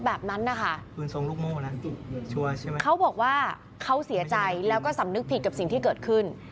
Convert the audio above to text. แบบนั้นนะคะเขาบอกว่าเขาเสียใจแล้วก็สำนึกผิดกับสิ่งที่เกิดขึ้น